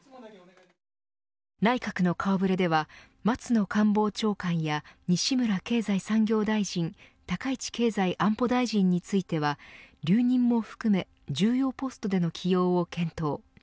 内閣の顔触れでは松野官房長官や西村経済産業大臣高市経済安保大臣については留任も含め重要ポストでの起用を検討。